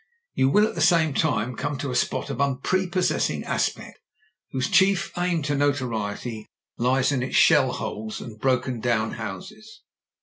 You will at the same time come to a spot of unpre possessing aspect, whose chief claim to notoriety lies in its shell holes and broken down houses.